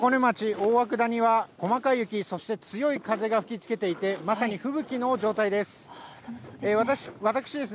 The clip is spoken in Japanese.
大涌谷は、細かい雪、そして強い風が吹きつけていて、まさに吹雪の状態です。